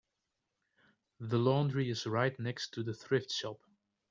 The laundry is right next to the thrift shop.